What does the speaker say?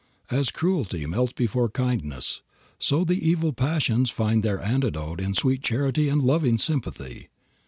As cruelty melts before kindness, so the evil passions find their antidote in sweet charity and loving sympathy.